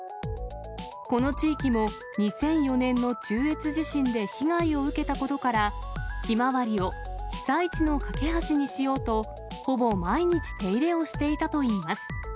この地域も２００４年の中越地震で被害を受けたことから、ヒマワリを被災地の懸け橋にしようと、ほぼ毎日手入れをしていたといいます。